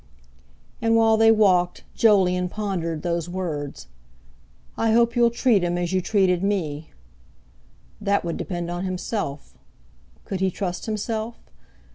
And while they walked Jolyon pondered those words: "I hope you'll treat him as you treated me." That would depend on himself. Could he trust himself?